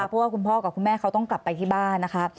เพราะว่าคุณพ่อกับคุณแม่เขาต้องกลับไปที่บ้านนะคะ